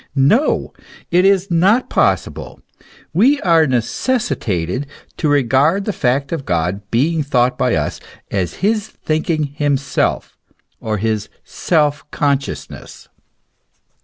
No! it is not possible. We are necessitated to regard the fact of God being thought by us, as his thinking himself, or his self conscious ness.